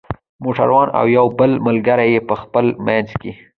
موټر وان او یو بل ملګری یې په خپل منځ کې.